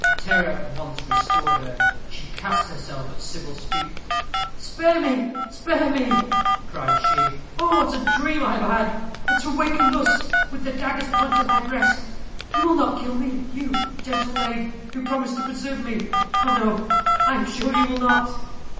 Terror at once restored her. She cast herself at Sybil's feet. "Spare, spare me!" cried she. "Oh! what a dream I have had. And to waken thus, with the dagger's point at my breast. You will not kill me you, gentle maid, who promised to preserve me. Ah, no, I am sure you will not."